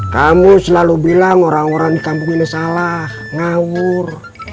kamu selalu bilang orang orang di kampung ini salah ngawur